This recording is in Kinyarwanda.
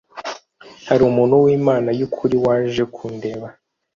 hari umuntu w Imana y ukuri waje kundeba